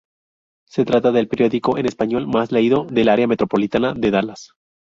Se trata del periódico en español más leído del área metropolitana de Dallas.